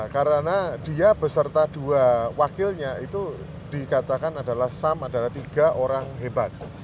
karena dia beserta dua wakilnya itu dikatakan adalah sam adalah tiga orang hebat